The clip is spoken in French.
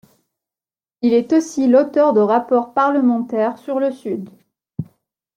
Il est aussi l'auteur de rapports parlementaires sur le Sud.